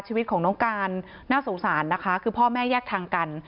ชีวิตของน้องการน่าสงสารนะคะคือพ่อแม่แยกทางกัน